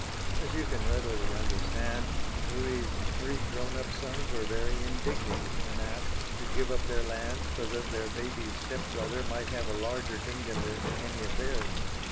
As you can readily understand, Louis's three grown up sons were very indignant when asked to give up their lands so that their baby step brother might have a larger kingdom than any of theirs.